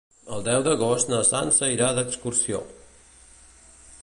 El deu d'agost na Sança irà d'excursió.